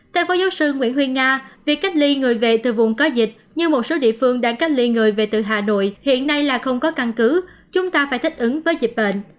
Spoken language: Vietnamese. theo phó giáo sư nguyễn huy nga việc cách ly người về từ vùng có dịch nhưng một số địa phương đang cách ly người về từ hà nội hiện nay là không có căn cứ chúng ta phải thích ứng với dịch bệnh